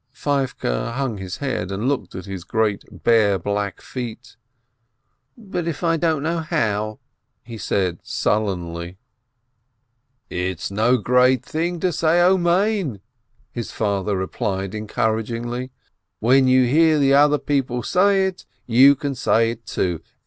Feivke hung his head and Iboked at his great, bare, black feet. "But if I don't know how," he said sul lenly. COUNTEY FOLK 549 "It's no great thing to say Amen !" his father replied encouragingly. "When you hear the other people say it, you can say it, too!